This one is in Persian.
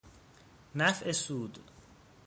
نفع سود